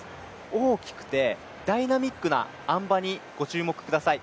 大きくて、ダイナミックなあん馬にご注目ください。